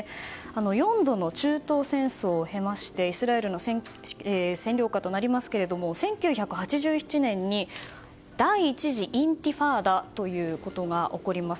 ４度の中東戦争を経ましてイスラエルの占領下となりますけれども１９８７年に第１次インティファーダが起こります。